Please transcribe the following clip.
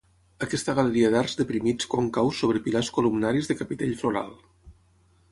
Aquesta galeria d'arcs deprimits còncaus sobre pilars columnaris de capitell floral.